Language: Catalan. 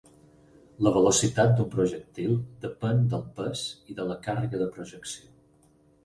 La velocitat d'un projectil depèn del pes i de la càrrega de projecció.